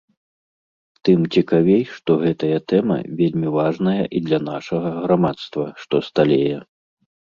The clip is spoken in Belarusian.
Тым цікавей, што гэтая тэма вельмі важная і для нашага грамадства, што сталее.